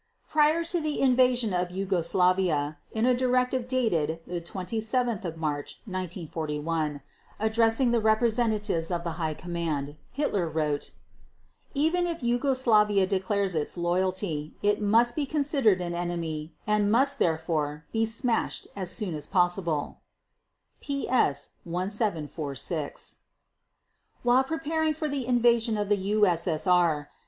Prior to the invasion of Yugoslavia, in a directive dated 27 March 1941, addressing the representatives of the High Command, Hitler wrote: "Even if Yugoslavia declares its loyalty, it must be considered an enemy and must, therefore, be smashed as soon as possible" (PS 1746). While preparing for the invasion of the U.S.S.R.